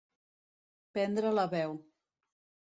Prendre la veu.